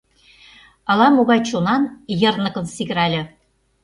Ала-могай чонан йырныкын сигырале.